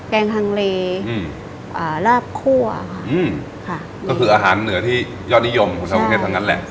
แกงฮังเลอืมอ่าลาบคั่วค่ะอืมค่ะก็คืออาหารเหนือที่ยอดนิยมของชาวกรุงเทพทั้งนั้นแหละ